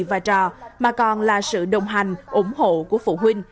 không chỉ là tình cảm của học sinh dành cho thầy và trò mà còn là sự đồng hành ủng hộ của phụ huynh